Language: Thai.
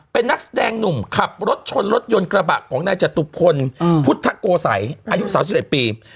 เป็นนักแสดงหนุ่มขับรถชนรถยนต์กระบะของนายจตุพลพุทธโกสัยอายุ๓๑ปี